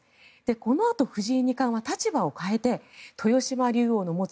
このあと、藤井二冠は立場を変えて豊島竜王の持つ